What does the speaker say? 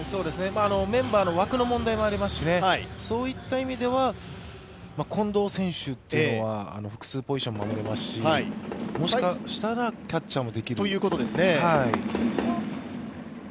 メンバーの枠の問題もありますしね、そういった意味では近藤選手というのは複数ポジションも守れますしもしかしたらキャッチャーもできる。